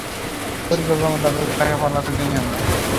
পরিকল্পনা মোতাবেক তাকে পালাতে দিই আমরা।